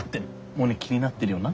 モネ気になってるよな？